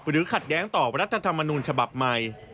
ขัดแย้งต่อรัฐธรรมนูญฉบับใหม่